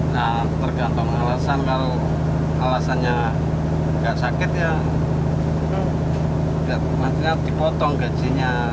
nah tergantung alasan kalau alasannya nggak sakit ya maksudnya dipotong gajinya